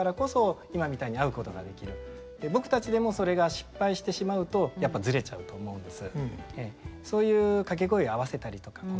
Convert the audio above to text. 僕たちでもそれが失敗してしまうとやっぱりズレちゃうと思うんです。